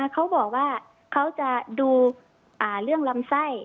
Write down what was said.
เขาบอกว่าเขาจะดูเรื่องลำไส้